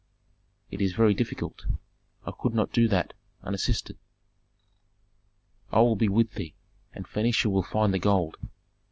"It is very difficult. I could not do that, unassisted." "I will be with thee, and Phœnicia will find the gold.